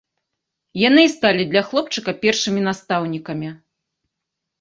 Яны і сталі для хлопчыка першымі настаўнікамі.